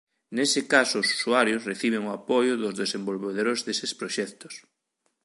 Nese caso os usuarios reciben o apoio dos desenvolvedores deses proxectos.